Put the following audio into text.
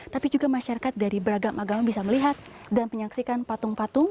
tapi juga masyarakat dari beragam agama bisa melihat dan menyaksikan patung patung